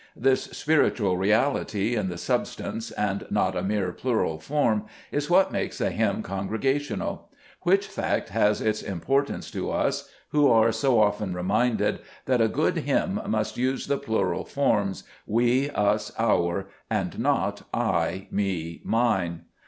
This spiritual reality in the substance,, and not a mere plural form, is what makes a hymn congregational : which fact has its importance to us who are so often reminded that a good hymn must use the plural forms " we, us, our," and not "I, me, mine."